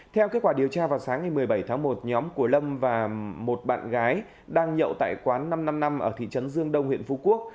theo kết quả điều tra vào sáng ngày một mươi bảy tháng một nhóm của lâm và một bạn gái đang nhậu tại quán năm trăm năm mươi năm ở thị trấn dương đông huyện phú quốc